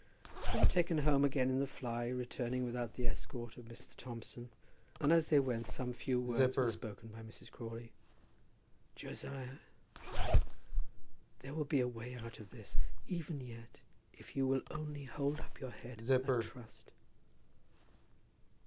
They were taken home again in the fly, returning without the escort of Mr. Thompson, and as they went some few words were spoken by Mrs. Crawley. "Josiah," she said, "there will be a way out of this, even yet, if you will only hold up your head and trust."